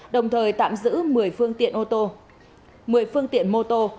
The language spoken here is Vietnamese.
đồng thời tạm giữ một mươi phương tiện ô tô một mươi phương tiện mô tô